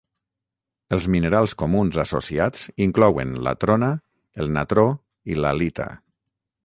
Els minerals comuns associats inclouen la trona, el natró i l'halita.